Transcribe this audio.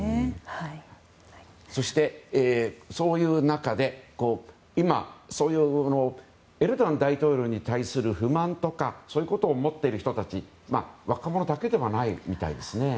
そして、そういう中で今、エルドアン大統領に対する不満とかを持っている人たちは若者だけではないみたいですね。